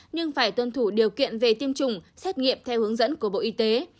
nhưng phải tuân thủ điều kiện về tiêm chủng xét nghiệm theo hướng dẫn của bộ y tế